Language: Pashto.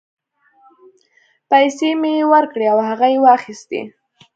پیسې مې یې ورکړې او هغه یې واخیستې.